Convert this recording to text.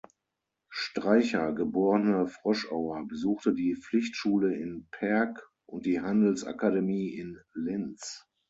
Streicher, geborene Froschauer, besuchte die Pflichtschule in Perg und die Handelsakademie in Linz.